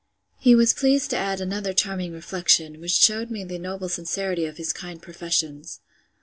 He was pleased to add another charming reflection, which shewed me the noble sincerity of his kind professions.